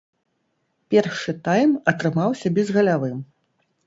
Першы тайм атрымаўся безгалявым.